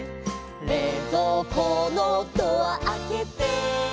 「れいぞうこのドアあけて」